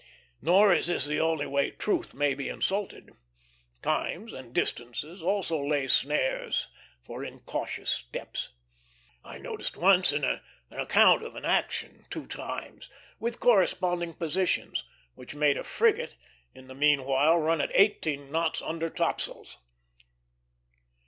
Nor is this the only way truth may be insulted. Times and distances also lay snares for incautious steps. I noticed once in an account of an action two times, with corresponding positions, which made a frigate in the meanwhile run at eighteen knots under topsails.